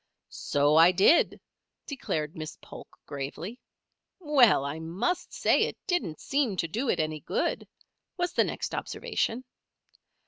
"So I did," declared Miss Polk gravely. "Well! I must say it didn't seem to do it any good," was the next observation.